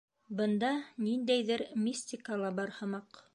Бында ниндәйҙер мистика ла бар һымаҡ.